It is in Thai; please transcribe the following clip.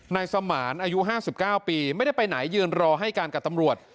นายสมานอายุ๕๙ปีไม่ได้ไปไหนยืนรอให้การกับตำรวจ